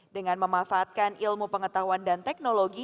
dengan memanfaatkan ilmu pengetahuan dan teknologi